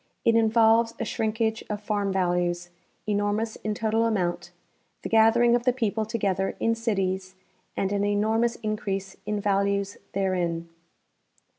It involves a shrinkage of farm values, enormous in total amount, the gathering of the people together in cities and an enormous increase in values therein.